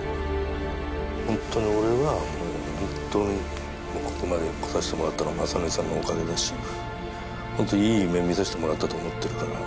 ほんとに俺はもうほんとにここまで来させてもらったのは雅紀さんのおかげだしほんといい夢見させてもらったと思ってるから。